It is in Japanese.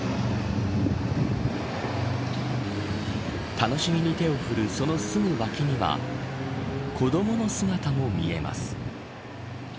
楽しげに手を振るそのすぐ脇には子どもの姿も見えます。